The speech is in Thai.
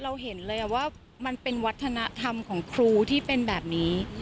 เราเห็นเลยว่ามันเป็นวัฒนธรรมของครูที่เป็นแบบนี้